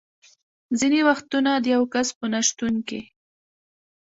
ځینې وختونه د یو کس په نه شتون کې.